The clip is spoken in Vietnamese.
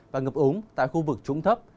và ngập úng tại khu vực trúng thấp